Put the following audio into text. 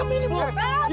ibu pasti mati